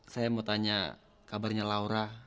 saya mau tanya kabarnya laura